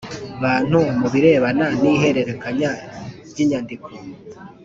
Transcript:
Bantu mu birebana n ihererekanya ry inyandiko